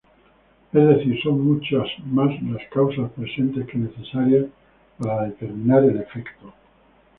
Es decir, son muchas más las causas presentes que necesarias para determinar el efecto.